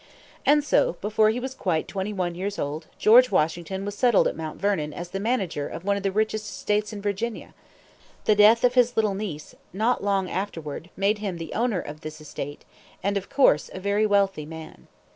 And so, before he was quite twenty one years old, George Washington was settled at Mount Vernon as the manager of one of the richest estates in Virginia. The death of his little niece not long afterward made him the owner of this estate, and, of course, a very wealthy man.